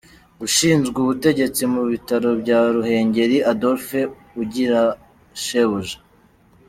Ushinzwe ubutegetsi mu bitaro bya Ruhengeri Adolphe Ugirashebuja.